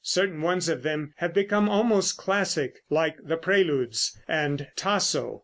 Certain ones of them have become almost classic, like "The Preludes" and "Tasso."